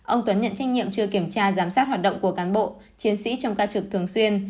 ông tuấn nhận trách nhiệm chưa kiểm tra giám sát hoạt động của cán bộ chiến sĩ trong ca trực thường xuyên